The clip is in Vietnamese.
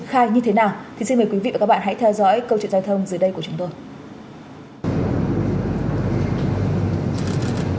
khai như thế nào thì xin mời quý vị và các bạn hãy theo dõi câu chuyện giao thông dưới đây của chúng tôi